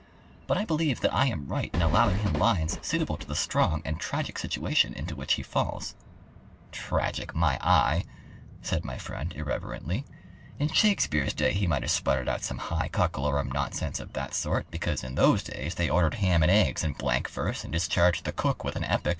But I believe that I am right in allowing him lines suitable to the strong and tragic situation into which he falls." "Tragic, my eye!" said my friend, irreverently. "In Shakespeare's day he might have sputtered out some high cockalorum nonsense of that sort, because in those days they ordered ham and eggs in blank verse and discharged the cook with an epic.